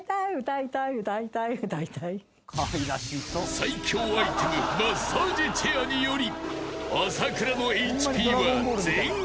［最強アイテムマッサージチェアにより麻倉のＨＰは全回復］